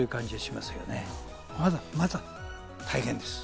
まだまだ大変です。